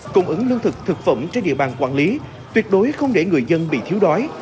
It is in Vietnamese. cung ứng lương thực thực phẩm trên địa bàn quản lý tuyệt đối không để người dân bị thiếu đói